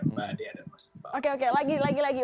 oke oke lagi lagi lagi